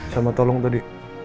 sama tolong tadi